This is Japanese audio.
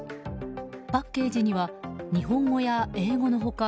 パッケージには日本語や英語の他